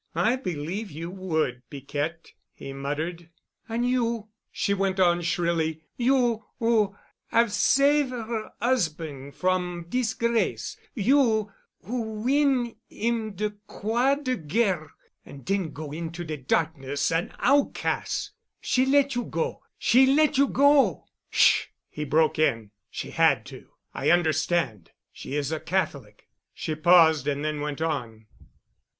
"I believe you would, Piquette," he muttered. "An' you," she went on shrilly, "you who 'ave save' 'er 'usban' from disgrace, you who win 'im de Croix de Guerre an' den go into de darkness an outcas'—she let you go—she let you go——!" "Sh——," he broke in. "She had to—I understand—she is a Catholic——" She paused and then went on.